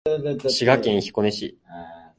滋賀県彦根市